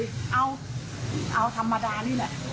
ก็เลยเป็นชื่อร้านของชื่อร้าน